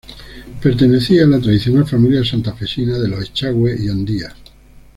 Pertenecía a la tradicional familia santafesina de los Echagüe y Andía.